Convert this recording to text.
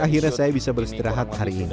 akhirnya saya bisa beristirahat hari ini